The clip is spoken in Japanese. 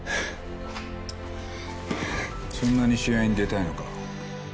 そんなに試合に出たいのか。